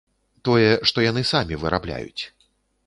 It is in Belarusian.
Тое, што яны самі вырабляюць.